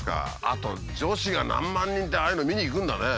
あと女子が何万人ってああいうのを見に行くんだね。